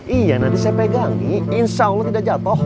iya nanti saya pegang insya allah tidak jatuh